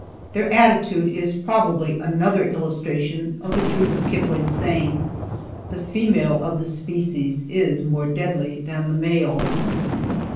Their attitude is probably another illustration of the truth of Kipling's saying, "The female of the species is more deadly than the male."